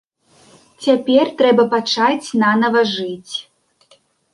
Цяпер трэба пачаць нанава жыць.